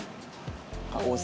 大阪。